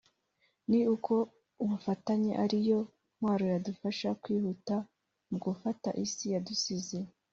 ni uko ubufatanye ariyo ntwaro yadufasha kwihuta mu gufata isi yadusize